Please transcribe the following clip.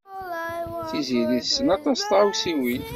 Tiziri tessen aṭas n tɣawsiwin.